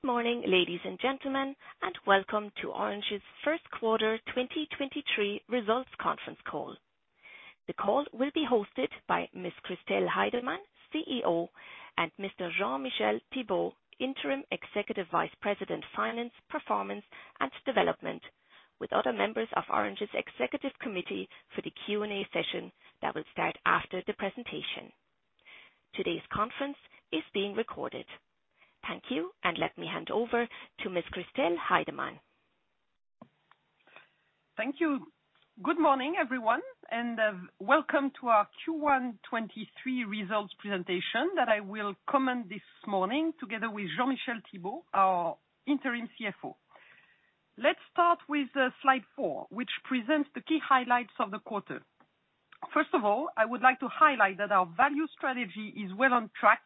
Good morning, ladies and gentlemen. Welcome to Orange's First Quarter 2023 Results Conference Call. The call will be hosted by Ms. Christel Heydemann, CEO, and Mr. Jean-Michel Thibaud, Interim Executive Vice President, Finance, Performance and Development, with other members of Orange's Executive Committee for the Q&A session that will start after the presentation. Today's conference is being recorded. Thank you. Let me hand over to Ms. Christel Heydemann. Thank you. Good morning, everyone, and welcome to our Q1 2023 results presentation that I will command this morning together with Jean-Michel Thibaud, our interim CFO. Let's start with slide four, which presents the key highlights of the quarter. First of all, I would like to highlight that our value strategy is well on track,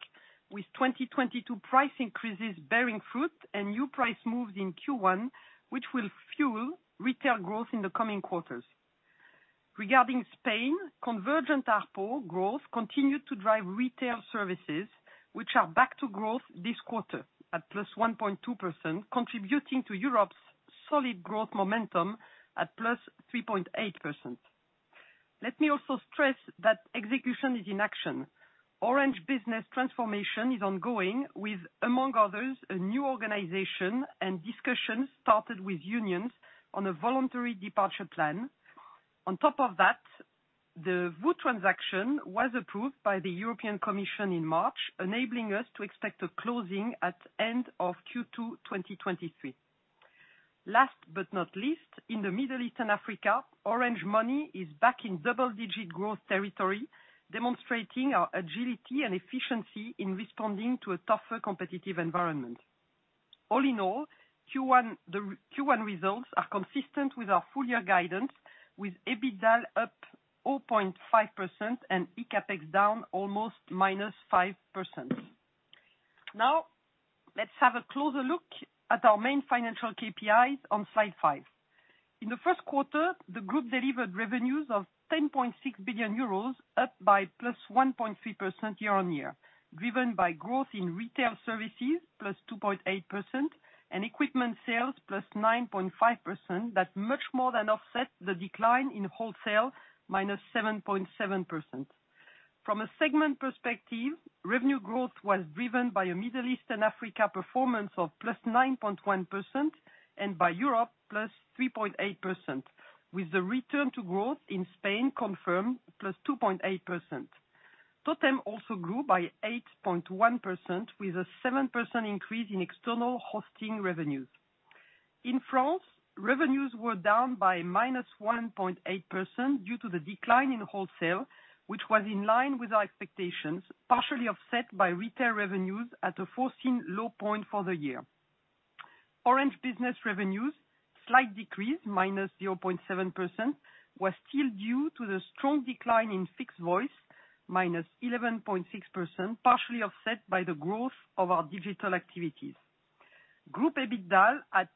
with 2022 price increases bearing fruit and new price moves in Q1, which will fuel retail growth in the coming quarters. Regarding Spain, convergent ARPU growth continued to drive retail services, which are back to growth this quarter at +1.2%, contributing to Europe's solid growth momentum at +3.8%. Let me also stress that execution is in action. Orange Business transformation is ongoing with, among others, a new organization and discussions started with unions on a voluntary departure plan. The VOO transaction was approved by the European Commission in March, enabling us to expect a closing at end of Q2 2023. In the Middle East and Africa, Orange Money is back in double digit growth territory, demonstrating our agility and efficiency in responding to a tougher competitive environment. Q1, the Q1 results are consistent with our full year guidance, with EBITDA up 0.5% and ECAPEX down almost -5%. Let's have a closer look at our main financial KPIs on slide five. In the first quarter, the group delivered revenues of 10.6 billion euros, up by +1.3% year-on-year, driven by growth in retail services +2.8% and equipment sales +9.5%. That much more than offset the decline in wholesale -7.7%. From a segment perspective, revenue growth was driven by a Middle East and Africa performance of +9.1% and by Europe +3.8%, with the return to growth in Spain confirmed +2.8%. TOTEM also grew by 8.1%, with a 7% increase in external hosting revenues. In France, revenues were down by -1.8% due to the decline in wholesale, which was in line with our expectations, partially offset by retail revenues at a foreseen low point for the year. Orange Business revenues' slight decrease, -0.7%, was still due to the strong decline in fixed voice, -11.6%, partially offset by the growth of our digital activities. Group EBITDA at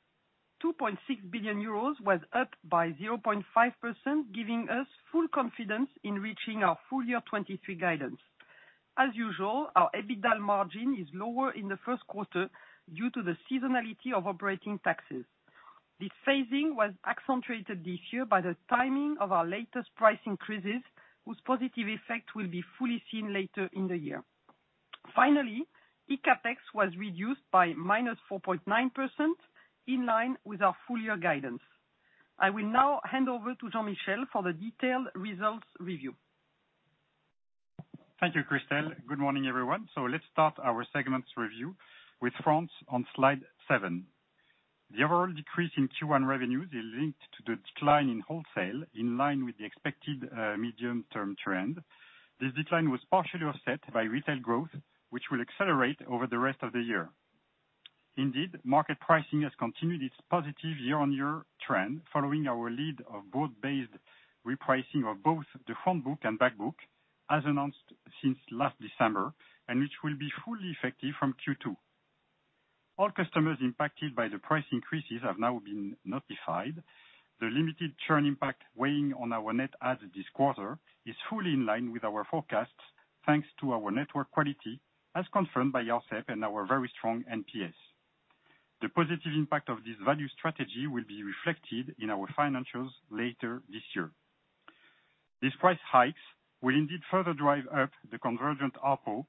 2.6 billion euros was up by 0.5%, giving us full confidence in reaching our full year 2023 guidance. As usual, our EBITDA margin is lower in the first quarter due to the seasonality of operating taxes. This phasing was accentuated this year by the timing of our latest price increases, whose positive effect will be fully seen later in the year. ECAPEX was reduced by -4.9% in line with our full year guidance. I will now hand over to Jean-Michel for the detailed results review. Thank you, Christel. Good morning, everyone. Let's start our segments review with France on slide 7. The overall decrease in Q1 revenues is linked to the decline in wholesale in line with the expected medium term trend. This decline was partially offset by retail growth, which will accelerate over the rest of the year. Market pricing has continued its positive year-on-year trend following our lead of base repricing of both the front book and back book as announced since last December, and which will be fully effective from Q2. All customers impacted by the price increases have now been notified. The limited churn impact weighing on our net adds this quarter is fully in line with our forecasts, thanks to our network quality as confirmed by Arcep and our very strong NPS. The positive impact of this value strategy will be reflected in our financials later this year. These price hikes will indeed further drive up the convergent ARPU,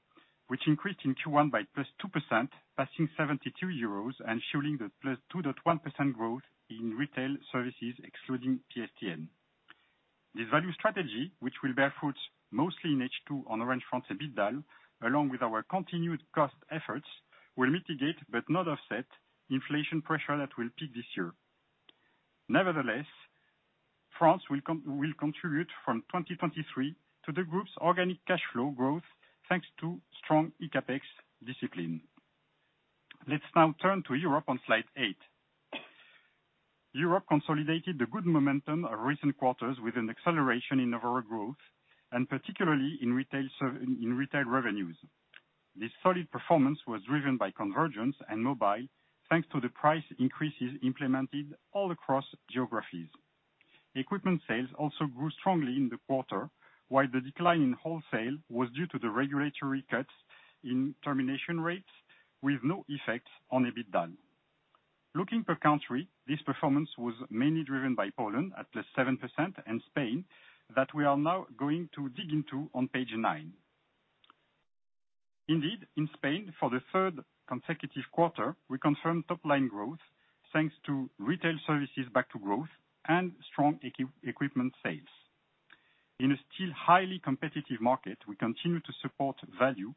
which increased in Q1 by +2%, passing 72 euros and showing the +2.1% growth in retail services excluding PSTN. This value strategy, which will bear fruit mostly in H2 on Orange France EBITDA, along with our continued cost efforts, will mitigate but not offset inflation pressure that will peak this year. France will contribute from 2023 to the group's organic cash flow growth thanks to strong ECAPEX discipline. Let's now turn to Europe on slide eight. Europe consolidated the good momentum of recent quarters with an acceleration in overall growth and particularly in retail revenues. This solid performance was driven by convergence and mobile thanks to the price increases implemented all across geographies. Equipment sales also grew strongly in the quarter, while the decline in wholesale was due to the regulatory cuts in termination rates with no effect on EBITDA. Looking per country, this performance was mainly driven by Poland at +7% and Spain that we are now going to dig into on page nine. In Spain, for the third consecutive quarter, we confirmed top-line growth thanks to retail services back to growth and strong equipment sales. In a still highly competitive market, we continue to support value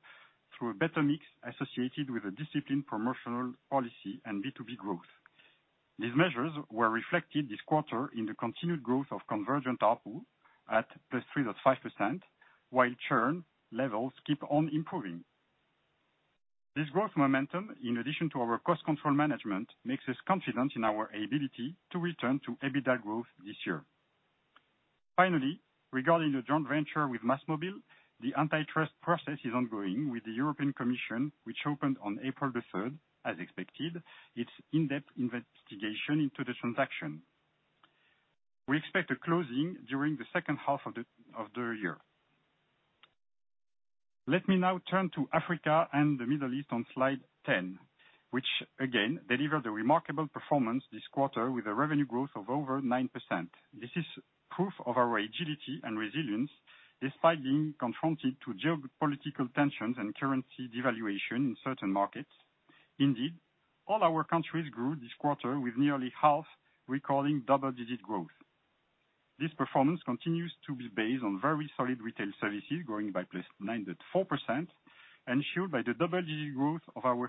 through a better mix associated with a disciplined promotional policy and B2B growth. These measures were reflected this quarter in the continued growth of convergent ARPU at +3.5%, while churn levels keep on improving. This growth momentum, in addition to our cost control management, makes us confident in our ability to return to EBITDA growth this year. Regarding the joint venture with MásMóvil, the antitrust process is ongoing with the European Commission, which opened on April third, as expected, its in-depth investigation into the transaction. We expect a closing during the second half of the year. Let me now turn to Africa and the Middle East on slide 10, which again delivered a remarkable performance this quarter with a revenue growth of over 9%. This is proof of our agility and resilience despite being confronted to geopolitical tensions and currency devaluation in certain markets. All our countries grew this quarter with nearly half recalling double-digit growth. This performance continues to be based on very solid retail services, growing by +9.4%, ensured by the double-digit growth of our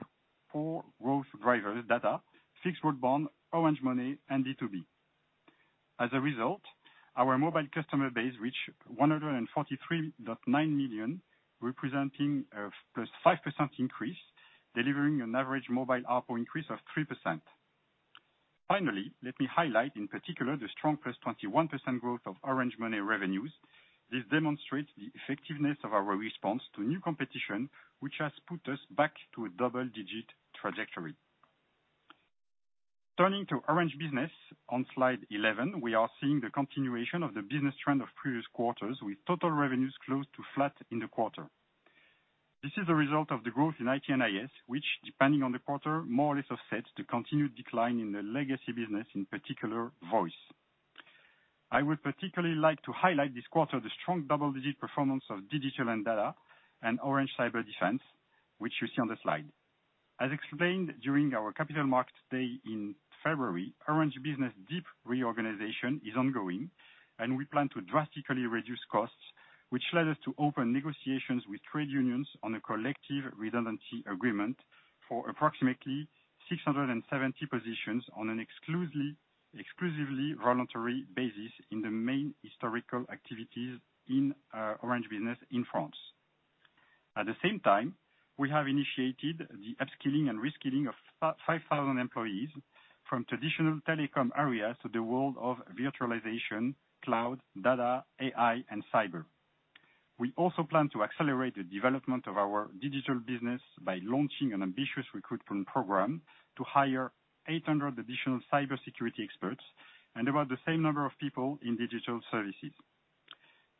four growth drivers data, fixed broadband, Orange Money and B2B. Our mobile customer base reached 143.9 million, representing a +5% increase, delivering an average mobile ARPU increase of 3%. Let me highlight in particular the strong +21% growth of Orange Money revenues. This demonstrates the effectiveness of our response to new competition, which has put us back to a double-digit trajectory. Turning to Orange Business on slide 11, we are seeing the continuation of the business trend of previous quarters, with total revenues close to flat in the quarter. This is a result of the growth in IT and IS, which, depending on the quarter, more or less offsets the continued decline in the legacy business, in particular voice. I would particularly like to highlight this quarter the strong double-digit performance of digital and data and Orange Cyberdefense, which you see on the slide. As explained during our Capital Markets Day in February, Orange Business deep reorganization is ongoing, and we plan to drastically reduce costs, which led us to open negotiations with trade unions on a collective redundancy agreement for approximately 670 positions on an exclusively voluntary basis in the main historical activities in Orange Business in France. At the same time, we have initiated the upskilling and reskilling of 5,000 employees from traditional telecom areas to the world of virtualization, cloud, data, AI, and cyber. We also plan to accelerate the development of our digital business by launching an ambitious recruitment program to hire 800 additional cybersecurity experts and about the same number of people in digital services.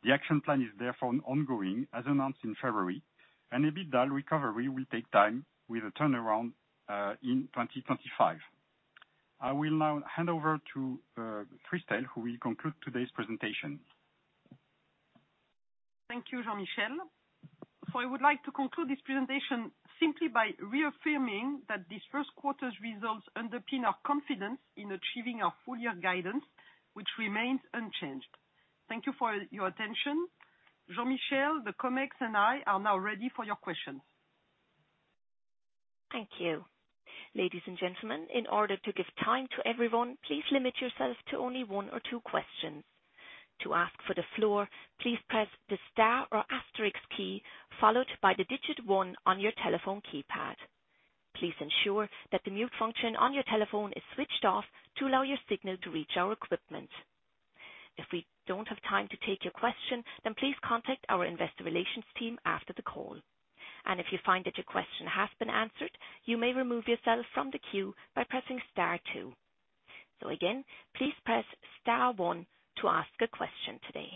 The action plan is therefore ongoing, as announced in February, and EBITDA recovery will take time with a turnaround in 2025. I will now hand over to Christel, who will conclude today's presentation. Thank you, Jean-Michel. I would like to conclude this presentation simply by reaffirming that this first quarter's results underpin our confidence in achieving our full year guidance, which remains unchanged. Thank you for your attention. Jean-Michel, the Comex, and I are now ready for your questions. Thank you. Ladies and gentlemen, in order to give time to everyone, please limit yourselves to only one or two questions. To ask for the floor, please press the star or asterisk key followed by the digit one on your telephone keypad. Please ensure that the mute function on your telephone is switched off to allow your signal to reach our equipment. If we don't have time to take your question, then please contact our investor relations team after the call. If you find that your question has been answered, you may remove yourself from the queue by pressing star two. Again, please press star one to ask a question today.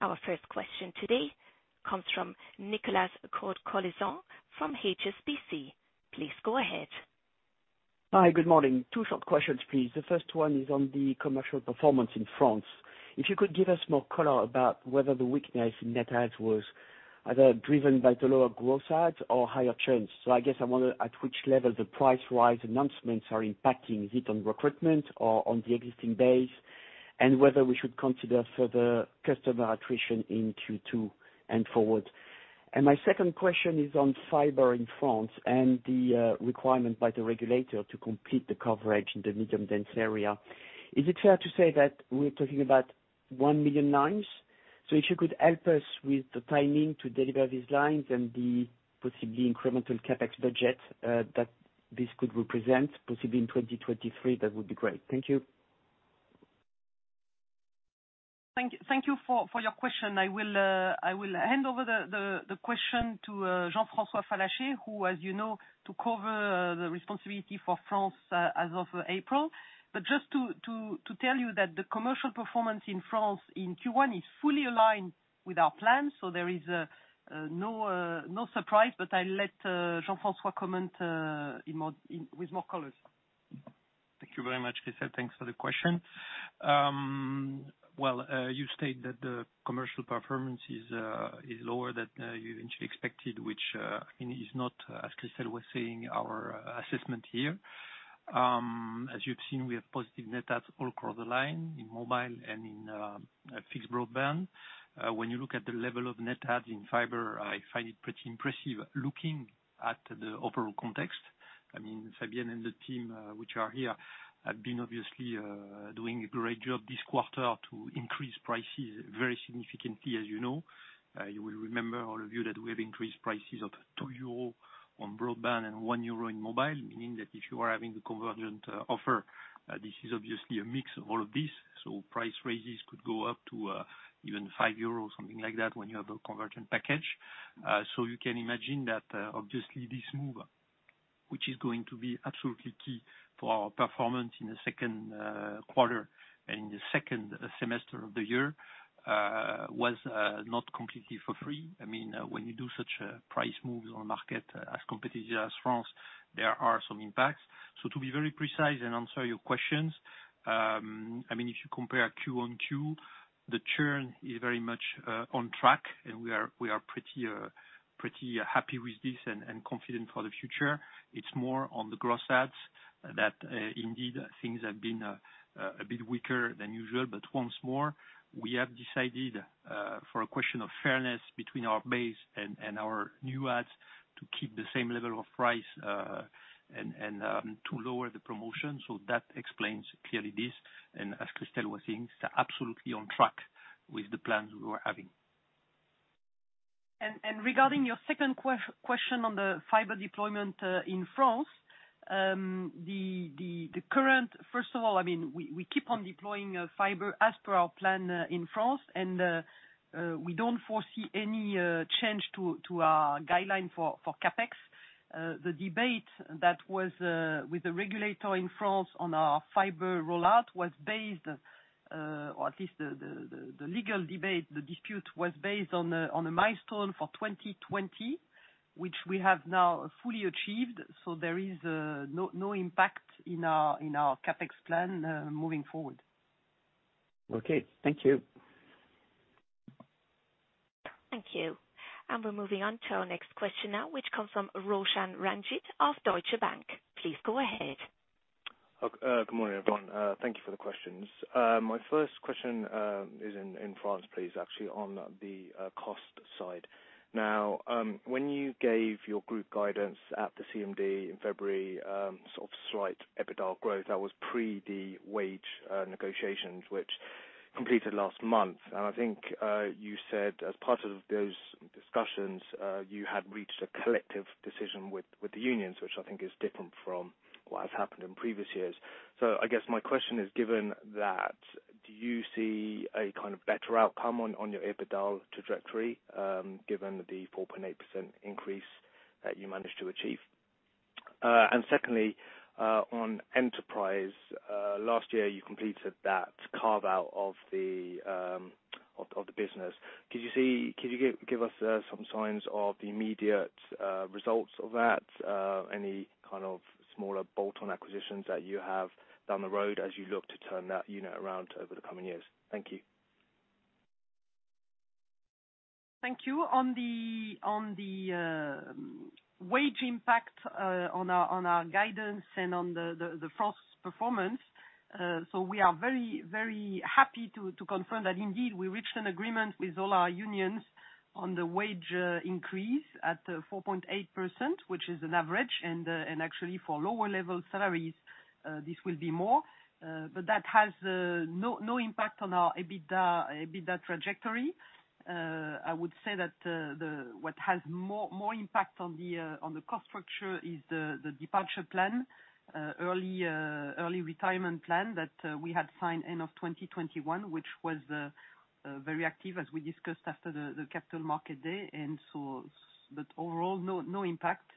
Our first question today comes from Nicolas Cote-Colisson from HSBC. Please go ahead. Hi, good morning. Two short questions, please. The first one is on the commercial performance in France. If you could give us more color about whether the weakness in net adds was either driven by the lower growth adds or higher churn. I guess I wonder at which level the price rise announcements are impacting, is it on recruitment or on the existing base, and whether we should consider further customer attrition in Q2 and forward. My second question is on fiber in France and the requirement by the regulator to complete the coverage in the medium dense area. Is it fair to say that we're talking about 1 million lines? If you could help us with the timing to deliver these lines and the possibly incremental CapEx budget that this could represent, possibly in 2023, that would be great. Thank you. Thank you for your question. I will hand over the question to Jean-François Fallacher, who as you know to cover the responsibility for France as of April. Just to tell you that the commercial performance in France in Q1 is fully aligned with our plans. There is no surprise. I let Jean-François comment in more, with more colors. Thank you very much, Chris. Thanks for the question. Well, you state that the commercial performance is lower than you initially expected, which is not, as Christel was saying, our assessment here. As you've seen, we have positive net adds all across the line in mobile and in fixed broadband. When you look at the level of net adds in fiber, I find it pretty impressive looking at the overall context. I mean, Fabian and the team, which are here have been obviously doing a great job this quarter to increase prices very significantly, as you know. You will remember, all of you, that we have increased prices of 2 euro on broadband and 1 euro in mobile, meaning that if you are having the convergent offer, this is obviously a mix of all of this. Price raises could go up to even 5 euros, something like that, when you have a convergent package. You can imagine that obviously this move, which is going to be absolutely key for our performance in the second quarter and in the second semester of the year, was not completely for free. I mean, when you do such price moves on a market as competitive as France, there are some impacts. To be very precise and answer your questions, I mean, if you compare Quarter-on-Quarter, the churn is very much on track, and we are pretty happy with this and confident for the future. It's more on the gross adds that indeed things have been a bit weaker than usual. Once more, we have decided for a question of fairness between our base and our new adds to keep the same level of price and to lower the promotion. That explains clearly this. As Christel was saying, absolutely on track with the plans we were having. Regarding your second question on the fiber deployment in France. First of all, I mean, we keep on deploying fiber as per our plan in France. We don't foresee any change to our guideline for CapEx. The debate that was with the regulator in France on our fiber rollout was based, or at least the legal debate, the dispute was based on a milestone for 2020, which we have now fully achieved. There is no impact in our CapEx plan moving forward. Okay, thank you. Thank you. We're moving on to our next question now, which comes from Roshan Ranjit of Deutsche Bank. Please go ahead. Good morning, everyone. Thank you for the questions. My first question is in France, please, actually, on the cost side. Now, when you gave your group guidance at the CMD in February, sort of slight EBITDA growth, that was pre the wage negotiations, which completed last month. I think you said as part of those discussions, you had reached a collective decision with the unions, which I think is different from what has happened in previous years. I guess my question is, given that, do you see a kind of better outcome on your EBITDA trajectory, given the 4.8% increase that you managed to achieve? Secondly, on enterprise, last year you completed that carve out of the business. Could you give us some signs of the immediate results of that? Any kind of smaller bolt-on acquisitions that you have down the road as you look to turn that unit around over the coming years? Thank you. Thank you. On the wage impact on our guidance and on the first performance, we are very happy to confirm that indeed we reached an agreement with all our unions on the wage increase at 4.8%, which is an average. Actually for lower level salaries, this will be more, but that has no impact on our EBITDA trajectory. I would say that what has more impact on the cost structure is the departure plan, early retirement plan that we had signed end of 2021, which was very active as we discussed after the Capital Markets Day. But overall, no impact.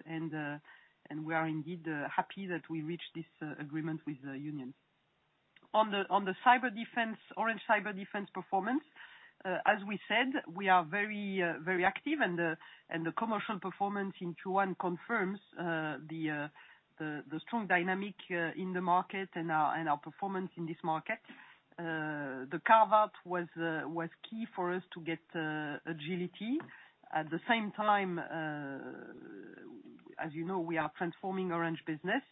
We are indeed happy that we reached this agreement with the unions. On the Orange Cyberdefense performance, as we said, we are very active. The commercial performance in Q1 confirms the strong dynamic in the market and our performance in this market. The carve out was key for us to get agility. At the same time, as you know, we are transforming Orange Business.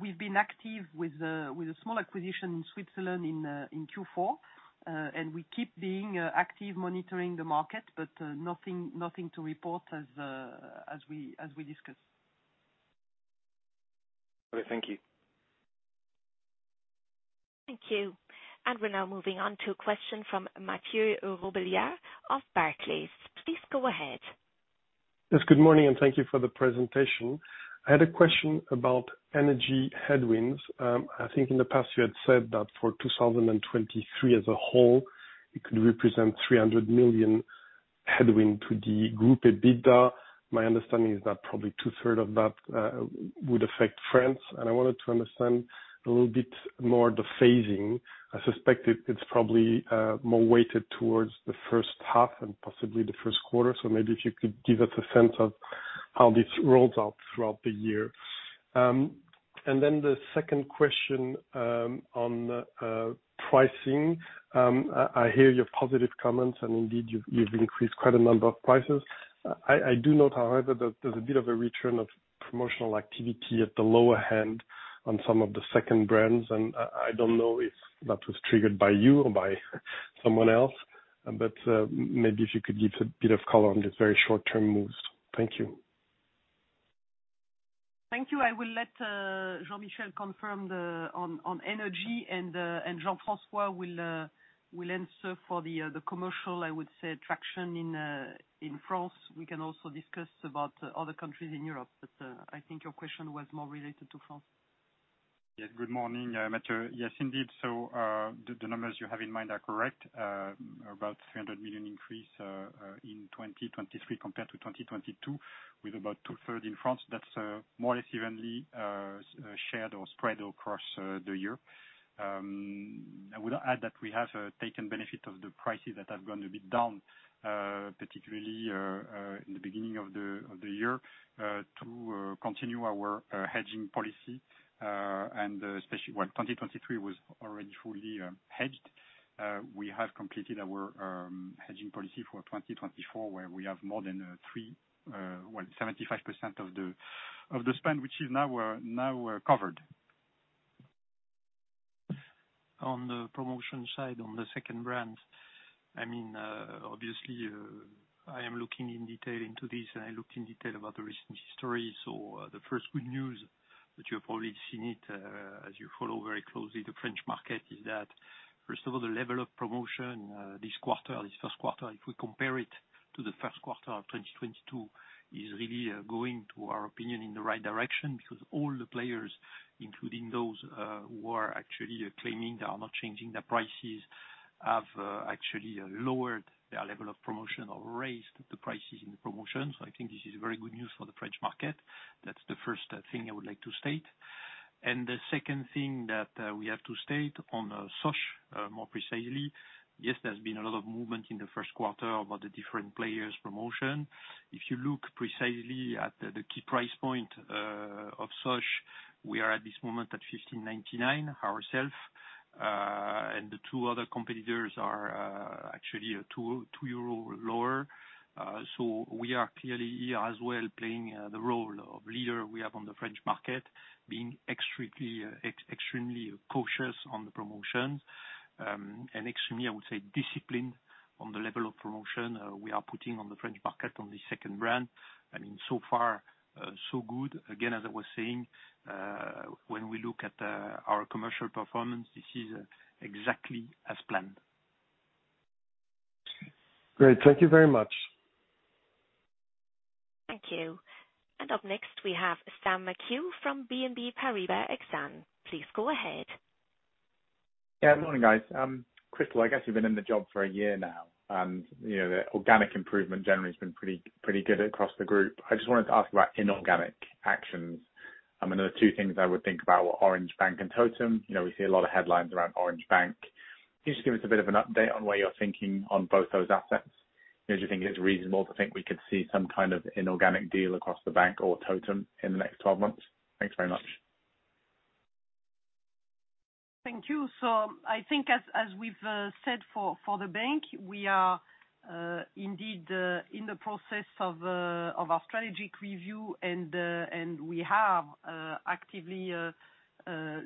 We've been active with a small acquisition in Switzerland in Q4. We keep being active monitoring the market. Nothing to report as we discuss. Okay. Thank you. Thank you. We're now moving on to a question from Mathieu Robilliard of Barclays. Please go ahead. Yes, good morning, and thank you for the presentation. I think in the past you had said that for 2023 as a whole, it could represent 300 million headwind to the group EBITDA. My understanding is that probably two-third of that would affect France, and I wanted to understand a little bit more the phasing. I suspect it's probably more weighted towards the first half and possibly the first quarter, so maybe if you could give us a sense of how this rolls out throughout the year. The second question on pricing. I hear your positive comments, indeed, you've increased quite a number of prices. I do note, however, that there's a bit of a return of promotional activity at the lower end on some of the second brands, and I don't know if that was triggered by you or by someone else. Maybe if you could give a bit of color on the very short-term moves. Thank you. Thank you. I will let Jean-Michel confirm the, on energy and Jean-François will answer for the commercial, I would say, traction in France. We can also discuss about other countries in Europe, but I think your question was more related to France. Yes, good morning. Mathieu. Yes, indeed. The numbers you have in mind are correct. About 300 million increase in 2023 compared to 2022 with about two-third in France. That's more or less evenly shared or spread across the year. I would add that we have taken benefit of the prices that have gone a bit down, particularly in the beginning of the year, to continue our hedging policy, and especially, well, 2023 was already fully hedged. We have completed our hedging policy for 2024, where we have more than, well, 75% of the spend which is now covered. On the promotion side, on the second brands, I mean, obviously, I am looking in detail into this, and I looked in detail about the recent history. The first good news that you have probably seen it, as you follow very closely the French market, is that first of all, the level of promotion, this quarter, this first quarter, if we compare it to the first quarter of 2022, is really, going, to our opinion, in the right direction because all the players, including those, who are actually claiming they are not changing their prices, have, actually lowered their level of promotion or raised the prices in the promotion. I think this is very good news for the French market. That's the first thing I would like to state. The second thing that we have to state on Sosh, more precisely, yes, there's been a lot of movement in the first quarter about the different players' promotion. If you look precisely at the key price point of Sosh, we are at this moment at 15.99 ourself, and the two other competitors are actually 2 euro lower. We are clearly here as well, playing the role of leader we have on the French market, being extremely cautious on the promotions, and extremely, I would say, disciplined on the level of promotion we are putting on the French market on the second brand. I mean, so far, so good. Again, as I was saying, when we look at our commercial performance, this is exactly as planned. Great. Thank you very much. Thank you. Up next, we have Sam McHugh from BNP Paribas Exane. Please go ahead. Yeah. Good morning, guys. Christel, I guess you've been in the job for a year now. You know, the organic improvement generally has been pretty good across the group. I just wanted to ask about inorganic actions. I mean, there are two things I would think about, Orange Bank and TOTEM. You know, we see a lot of headlines around Orange Bank. Can you just give us a bit of an update on where you're thinking on both those assets? Do you think it's reasonable to think we could see some kind of inorganic deal across the bank or TOTEM in the next 12 months? Thanks very much. Thank you. I think as we've said for Orange Bank, we are indeed in the process of our strategic review, and we have actively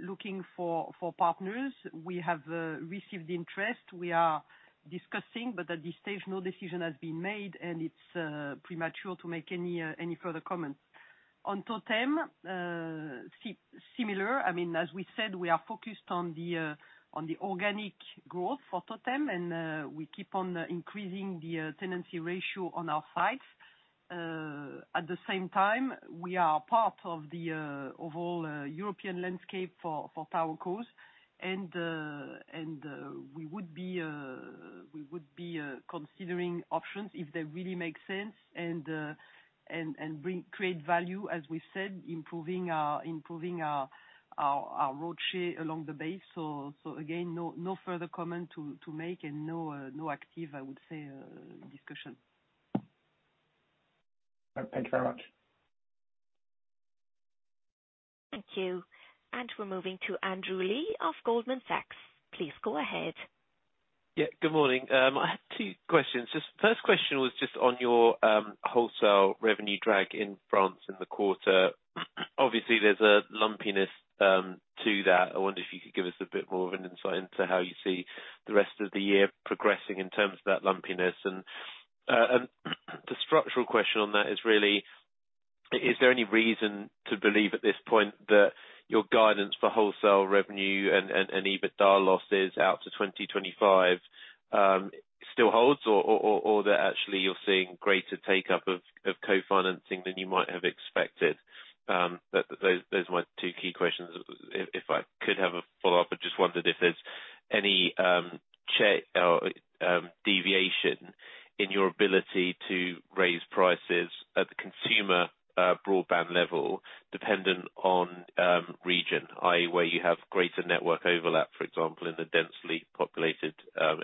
looking for partners. We have received interest. We are discussing, but at this stage, no decision has been made, and it's premature to make any further comments. On TOTEM, similar. I mean, as we said, we are focused on the organic growth for TOTEM, and we keep on increasing the tenancy ratio on our sites. At the same time, we are part of the European landscape for TowerCo. We would be considering options if they really make sense and bring, create value, as we said, improving our, our road share along the base. Again, no further comment to make and no active, I would say, discussion. All right, thank you very much. Thank you. We're moving to Andrew Lee of Goldman Sachs. Please go ahead. Yeah. Good morning. I have two questions. Just first question was just on your wholesale revenue drag in France in the quarter. Obviously, there's a lumpiness to that. I wonder if you could give us a bit more of an insight into how you see the rest of the year progressing in terms of that lumpiness. The structural question on that is really... Is there any reason to believe at this point that your guidance for wholesale revenue and EBITDA losses out to 2025 still holds? Or that actually you're seeing greater take up of co-financing than you might have expected? That, those are my two key questions. If I could have a follow-up, I just wondered if there's any deviation in your ability to raise prices at the consumer broadband level dependent on region, i.e., where you have greater network overlap, for example, in the densely populated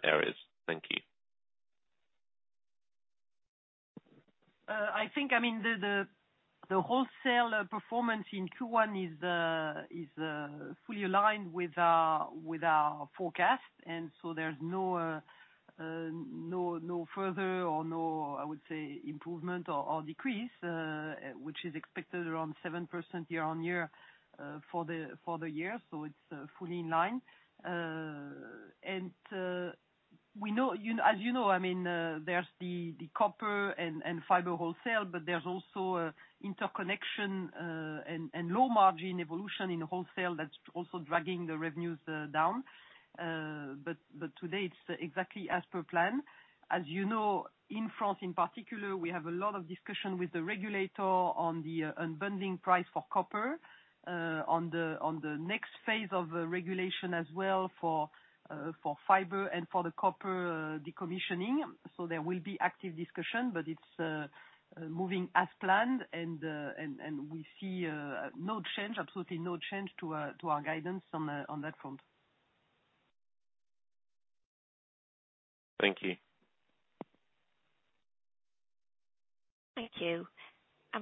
areas. Thank you. I think the wholesale performance in Q1 is fully aligned with our forecast. There's no further or no I would say improvement or decrease, which is expected around 7% year-on-year for the year. It's fully in line. We know, you know, as you know, I mean, there's the copper and fiber wholesale, but there's also a interconnection and low margin evolution in wholesale that's also dragging the revenues down. Today it's exactly as per plan. As you know, in France in particular, we have a lot of discussion with the regulator on the unbundling price for copper, on the next phase of regulation as well for fiber and for the copper decommissioning. There will be active discussion, but it's moving as planned. We see no change, absolutely no change to our guidance on that front. Thank you. Thank you.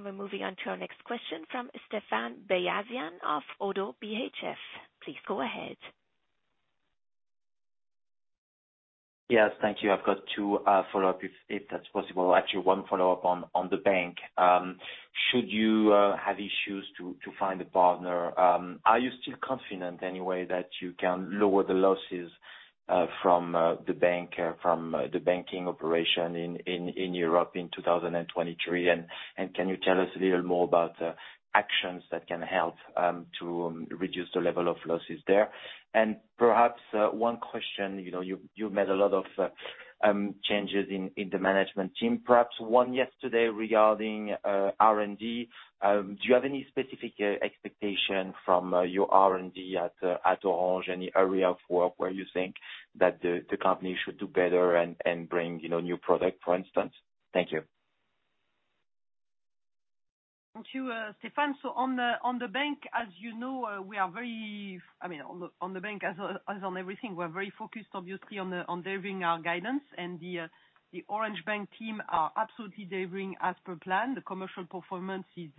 We're moving on to our next question from Stéphane Beyazian of ODDO BHF. Please go ahead. Yes, thank you. I've got two follow-up if that's possible. Actually, one follow-up on the bank. Should you have issues to find a partner, are you still confident any way that you can lower the losses from Orange Bank from the banking operation in Europe in 2023? Can you tell us a little more about actions that can help to reduce the level of losses there? Perhaps one question, you know, you've made a lot of changes in the management team. Perhaps one yesterday regarding R&D. Do you have any specific expectation from your R&D at Orange? Any area of work where you think that the company should do better and bring, you know, new product, for instance? Thank you. Thank you, Stéphane. On the, on the bank, as you know, we are very, I mean, on the, on the bank as on everything, we're very focused obviously on the, on delivering our guidance. The Orange Bank team are absolutely delivering as per plan. The commercial performance is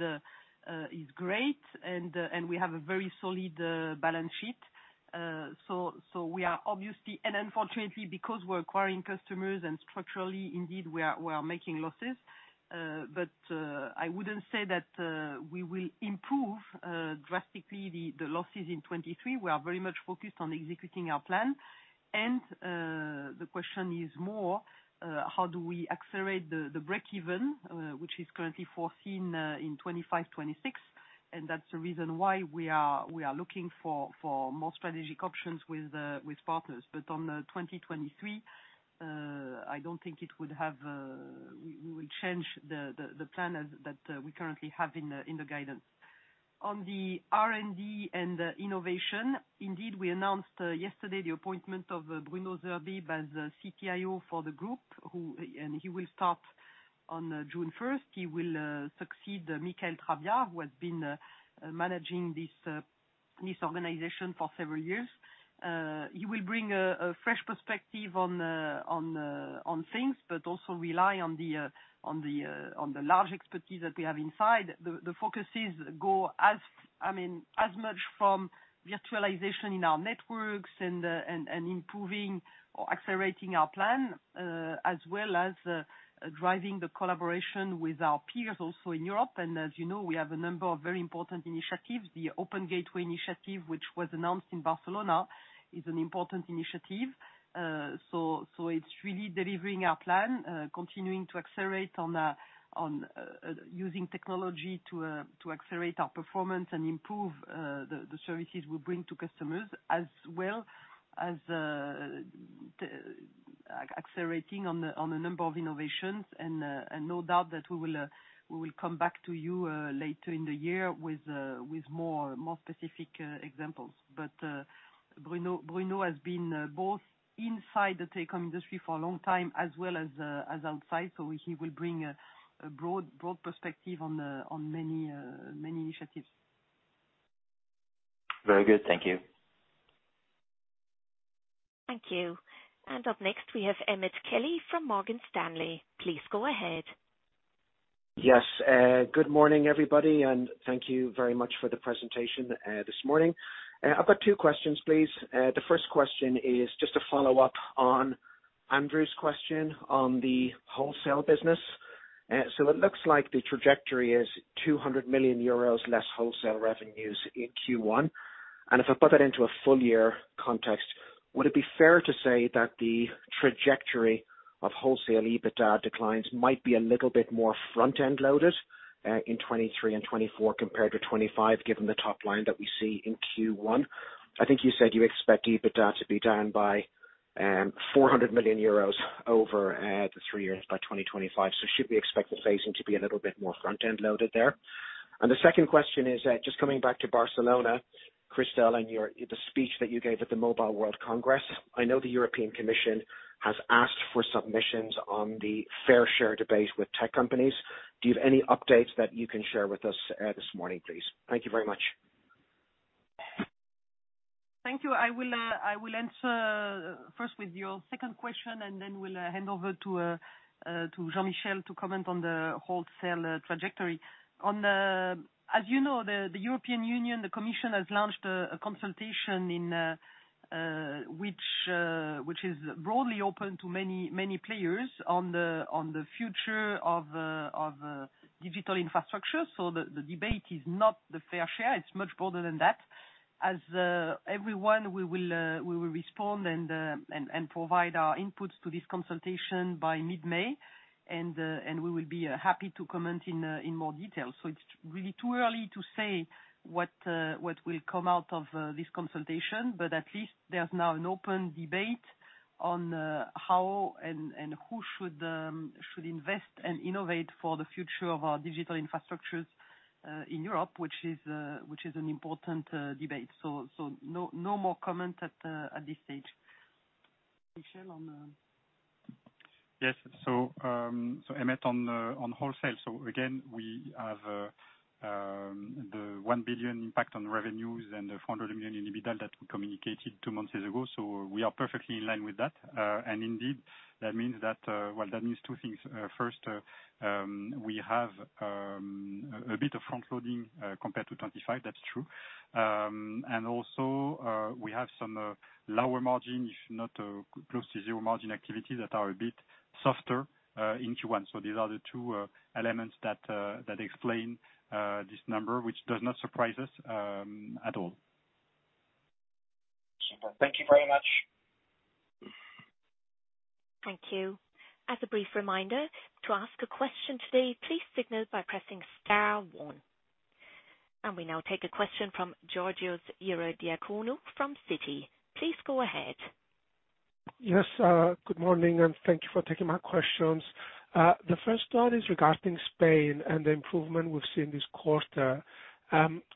great and we have a very solid, balance sheet. So, so we are obviously and unfortunately, because we're acquiring customers and structurally indeed we are, we are making losses, but, I wouldn't say that, we will improve, drastically the losses in 2023. We are very much focused on executing our plan. The question is more, how do we accelerate the break even, which is currently foreseen, in 2025, 2026. That's the reason why we are looking for more strategic options with partners. On 2023, I don't think it would have, we will change the plan as that we currently have in the guidance. On the R&D and the innovation, indeed, we announced yesterday the appointment of Bruno Zerbib as the CTIO for the group who, and he will start on June 1st. He will succeed Michaël Trabbia, who has been managing this organization for several years. He will bring a fresh perspective on things, but also rely on the large expertise that we have inside. The focuses go as, I mean, as much from virtualization in our networks and improving or accelerating our plan, as well as driving the collaboration with our peers also in Europe. As you know, we have a number of very important initiatives. The Open Gateway initiative, which was announced in Barcelona, is an important initiative. So it's really delivering our plan, continuing to accelerate on using technology to accelerate our performance and improve the services we bring to customers, as well as accelerating on a number of innovations. No doubt that we will come back to you later in the year with more specific examples. Bruno has been both inside the telecom industry for a long time as well as outside. He will bring a broad perspective on many initiatives. Very good. Thank you. Thank you. Up next, we have Emmet Kelly from Morgan Stanley. Please go ahead. Yes. Good morning, everybody, thank you very much for the presentation, this morning. I've got two questions, please. The first question is just a follow-up on Andrew's question on the wholesale business. It looks like the trajectory is 200 million euros less wholesale revenues in Q1. If I put that into a full year context, would it be fair to say that the trajectory of wholesale EBITDA declines might be a little bit more front-end loaded in 2023 and 2024 compared to 2025, given the top line that we see in Q1? I think you said you expect EBITDA to be down by 400 million euros over the three years by 2025. Should we expect the phasing to be a little bit more front-end loaded there? The second question is just coming back to Barcelona, Christel, and the speech that you gave at the Mobile World Congress. I know the European Commission has asked for submissions on the fair share debate with tech companies. Do you have any updates that you can share with us this morning, please? Thank you very much. Thank you. I will answer first with your second question and then will hand over to Jean-Michel to comment on the wholesale trajectory. As you know, the European Union, the Commission has launched a consultation which is broadly open to many players on the future of digital infrastructure. The debate is not the fair share. It's much broader than that. As everyone, we will respond and provide our inputs to this consultation by mid-May, and we will be happy to comment in more detail. It's really too early to say what will come out of this consultation. At least there's now an open debate on how and who should invest and innovate for the future of our digital infrastructures in Europe, which is an important debate. No more comment at this stage. Michel, on? Yes. Emmet, on wholesale. Again, we have the 1 billion impact on revenues and the 400 million in EBITDA that we communicated two months ago, so we are perfectly in line with that. Indeed, that means that, well, that means two things. First, we have a bit of front loading compared to 2025. That's true. Also, we have some lower margin, if not, close to zero margin activity that are a bit softer in Q1. These are the two elements that explain this number, which does not surprise us at all. Super. Thank you very much. Thank you. As a brief reminder, to ask a question today, please signal by pressing star one. We now take a question from Georgios Ierodiaconou from Citi. Please go ahead. Yes, good morning, and thank you for taking my questions. The first one is regarding Spain and the improvement we've seen this quarter.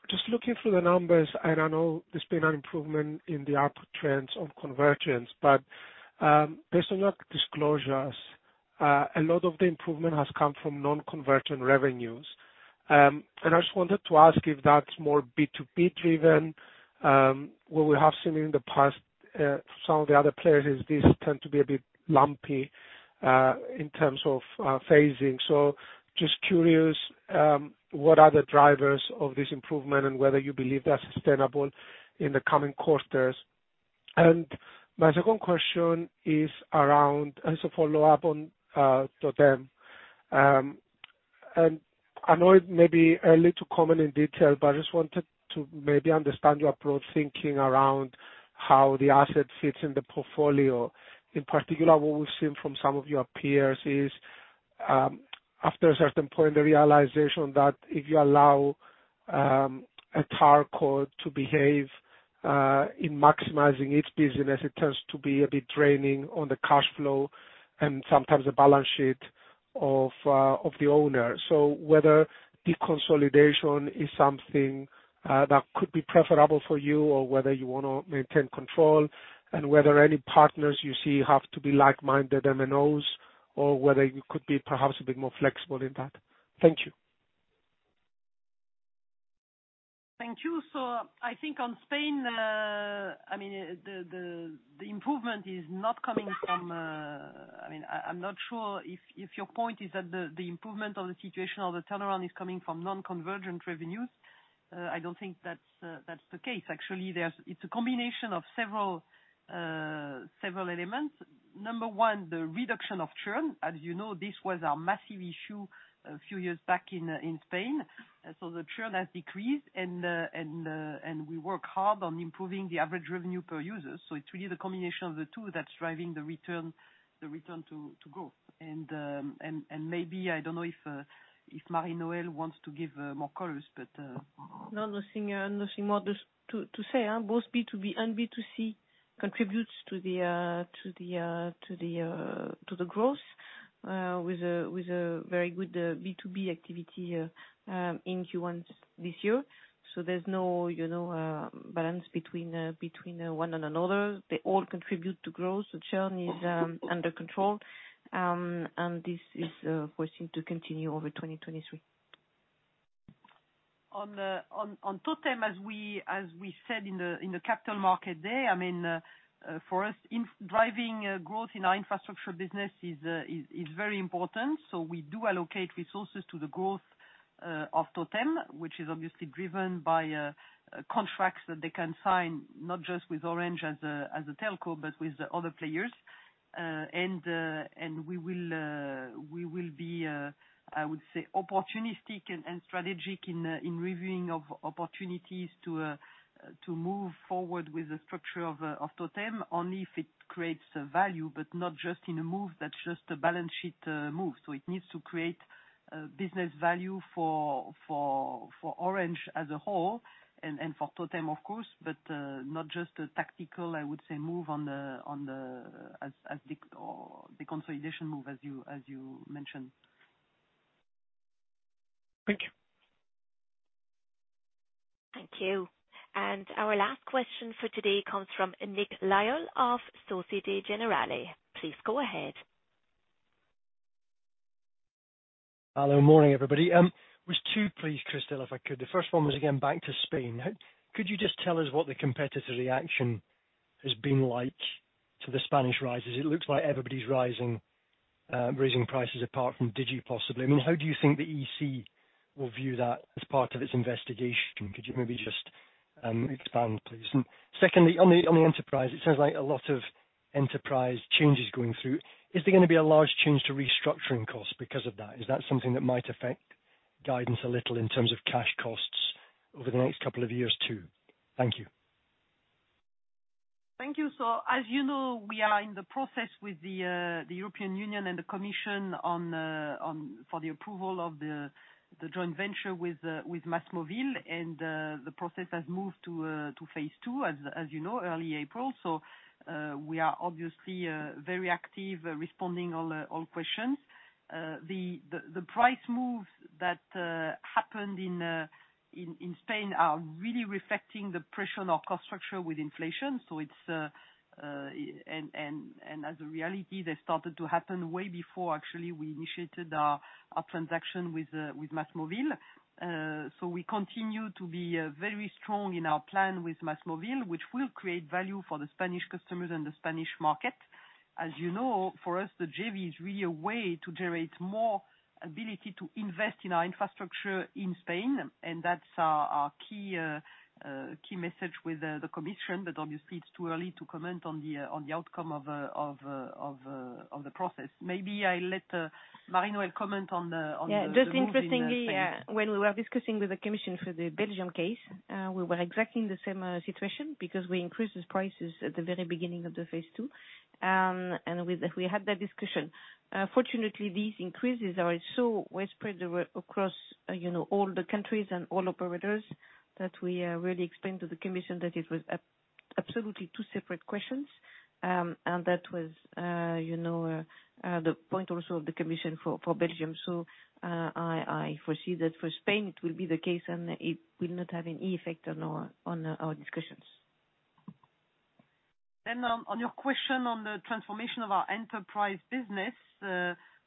Just looking through the numbers, and I know there's been an improvement in the upward trends on convergence, but based on your disclosures, a lot of the improvement has come from non-convergent revenues. I just wanted to ask if that's more B2B driven. What we have seen in the past, some of the other players is these tend to be a bit lumpy, in terms of phasing. Just curious, what are the drivers of this improvement and whether you believe they're sustainable in the coming quarters. My second question is around as a follow-up on TOTEM. I know it may be early to comment in detail, but I just wanted to maybe understand your approach thinking around how the asset fits in the portfolio. In particular, what we've seen from some of your peers is, after a certain point, the realization that if you allow a TowerCo to behave in maximizing its business, it tends to be a bit draining on the cash flow and sometimes the balance sheet of the owner. Whether deconsolidation is something that could be preferable for you or whether you wanna maintain control and whether any partners you see have to be like-minded MNOs or whether you could be perhaps a bit more flexible in that. Thank you. Thank you. I think on Spain, I mean, the improvement is not coming. I mean, I'm not sure if your point is that the improvement of the situation or the turnaround is coming from non-convergent revenues. I don't think that's the case. Actually, it's a combination of several elements. Number one, the reduction of churn. As you know, this was a massive issue a few years back in Spain. The churn has decreased and we work hard on improving the average revenue per user. It's really the combination of the two that's driving the return to growth. Maybe, I don't know if Marie-Noëlle wants to give more colors. No, nothing more just to say. Both B2B and B2C contributes to the growth, with a very good B2B activity in Q1 this year. There's no, you know, balance between one and another. They all contribute to growth. The churn is under control. This is foreseen to continue over 2023. On Totem, as we said in the Capital Markets Day, I mean, for us in driving growth in our infrastructure business is very important. We do allocate resources to the growth of Totem, which is obviously driven by contracts that they can sign, not just with Orange as a telecom, but with the other players. We will be, I would say opportunistic and strategic in reviewing of opportunities to move forward with the structure of Totem only if it creates value, but not just in a move that's just a balance sheet move. It needs to create business value for Orange as a whole and for TOTEM, of course, but not just a tactical, I would say move on the, as the, or the consolidation move as you mentioned. Thank you. Thank you. Our last question for today comes from Nick Lyall of Société Générale. Please go ahead. Hello. Morning, everybody. Was two please, Christel, if I could. The first one was, again, back to Spain. Could you just tell us what the competitor reaction has been like to the Spanish rises? It looks like everybody's rising, raising prices apart from Digi, possibly. I mean, how do you think the EC will view that as part of its investigation? Could you maybe just expand, please? Secondly, on the, on the enterprise, it sounds like a lot of enterprise changes going through. Is there gonna be a large change to restructuring costs because of that? Is that something that might affect guidance a little in terms of cash costs over the next couple of years too? Thank you. Thank you. As you know, we are in the process with the European Union and the commission for the approval of the joint venture with MásMóvil. The process has moved to phase II as you know, early April. We are obviously very active responding all questions. The price moves that happened in Spain are really reflecting the pressure on our cost structure with inflation. It's and as a reality, they started to happen way before actually we initiated our transaction with MásMóvil. We continue to be very strong in our plan with MásMóvil, which will create value for the Spanish customers and the Spanish market. As you know, for us, the JV is really a way to generate more ability to invest in our infrastructure in Spain. That's our key message with the Commission. Obviously it's too early to comment on the outcome of the process. Maybe I let Marie-Noëlle comment. Yeah. Just interestingly- on the move in Spain. When we were discussing with the Commission for the Belgian case, we were exactly in the same situation because we increased the prices at the very beginning of the phase II. We had that discussion. Fortunately, these increases are so widespread across, you know, all the countries and all operators that we really explained to the Commission that it was absolutely two separate questions. That was, you know, the point also of the Commission for Belgium. I foresee that for Spain it will be the case, and it will not have any effect on our discussions. On your question on the transformation of our Orange Business,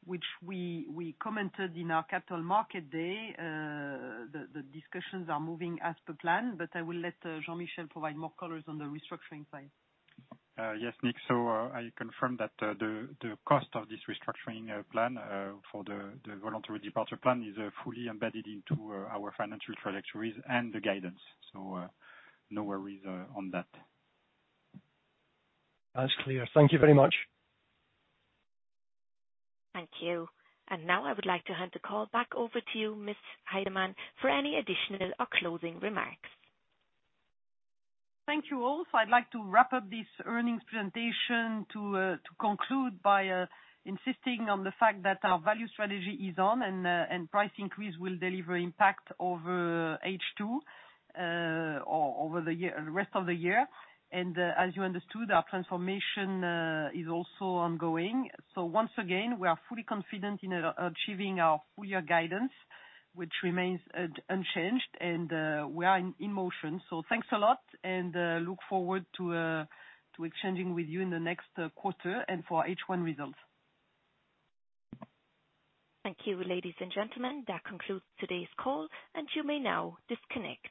which we commented in our Capital Markets Day, the discussions are moving as per plan, but I will let Jean-Michel provide more colors on the restructuring side. Yes, Nick. I confirm that the cost of this restructuring plan for the voluntary departure plan is fully embedded into our financial trajectories and the guidance. No worries on that. That's clear. Thank you very much. Thank you. Now I would like to hand the call back over to you, Miss Heydemann, for any additional or closing remarks. Thank you all. I'd like to wrap up this earnings presentation to conclude by insisting on the fact that our value strategy is on and price increase will deliver impact over H2 or over the year, the rest of the year. As you understood, our transformation is also ongoing. Once again, we are fully confident in achieving our full year guidance, which remains unchanged and we are in motion. Thanks a lot, and look forward to exchanging with you in the next quarter and for H1 results. Thank you, ladies and gentlemen. That concludes today's call, and you may now disconnect.